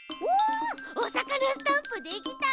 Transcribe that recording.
おおさかなスタンプできた！